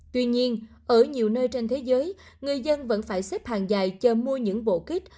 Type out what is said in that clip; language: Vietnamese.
tuy nhiên ở nhiều nơi trên thế giới người dân vẫn phải xếp hàng dài chờ mua những bộ kít